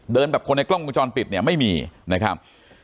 แบบคนในกล้องวงจรปิดเนี่ยไม่มีนะครับ